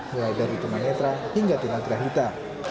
mulai dari tumang netra hingga tengah grahita